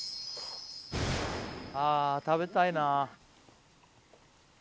あ食べたいなぁ。